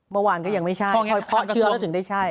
เมื่อวานก็ยังไม่ใช่เพาะเชื้อแล้วถึงได้ใช่